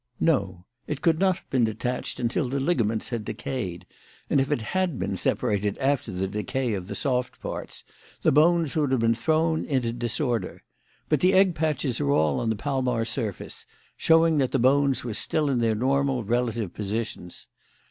"No. It could not have been detached until the ligaments had decayed, and if it had been separated after the decay of the soft parts, the bones would have been thrown into disorder. But the egg patches are all on the palmar surface, showing that the bones were still in their normal relative positions.